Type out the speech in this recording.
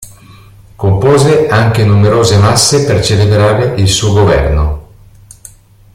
Compose anche numerose masse per celebrare il suo governo.